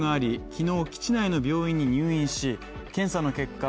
昨日、基地内の病院に入院し検査の結果